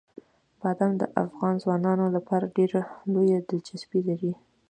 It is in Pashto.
بادام د افغان ځوانانو لپاره ډېره لویه دلچسپي لري.